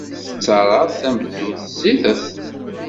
Tettarraḍ tameddurt ẓidet.